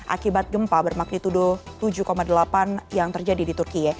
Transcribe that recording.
akibat gempa bermagnitudo tujuh delapan yang terjadi di turkiye